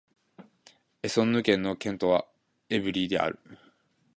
エソンヌ県の県都はエヴリーである